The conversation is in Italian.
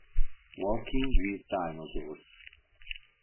Walking with Dinosaurs